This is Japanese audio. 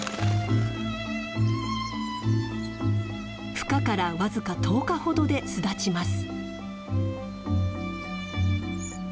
ふ化から僅か１０日ほどで巣立ちます。